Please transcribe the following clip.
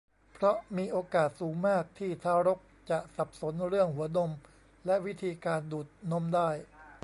เพราะมีโอกาสสูงมากที่ทารกจะสับสนเรื่องหัวนมและวิธีการดูดนมได้